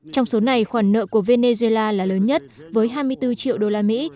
trong số này khoản nợ của venezuela là lớn nhất với hai mươi bốn triệu đô la mỹ